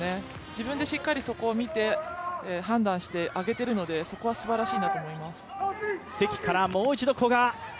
自分でしっかりそこを見て判断して上げているので、そこはすばらしいなと思います。